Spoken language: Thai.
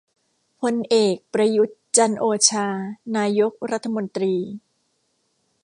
พลเอก ประยุทธ์ จันทร์โอชา นายกรัฐมนตรี